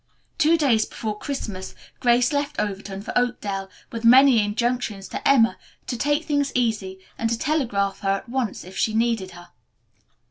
Two days before Christmas Grace left Overton for Oakdale, with many injunctions to Emma to take things easy and to telegraph her at once if she needed her.